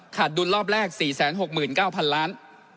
ดุลรอบแรก๔๖๙๐๐๐ล้าน